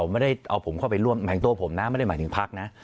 ไม่ได้หมายถึงพรรคนะ